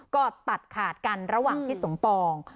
ก็ตัดขาดกันระหว่างที่สมปอง